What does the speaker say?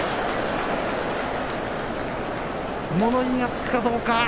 物言いがつくかどうか。